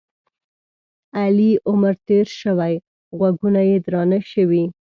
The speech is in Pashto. علي عمر تېر شوی؛ غوږونه یې درانه شوي.